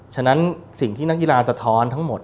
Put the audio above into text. ฉะนั้นสิ่งที่นักกีฬาสะท้อนทั้งหมด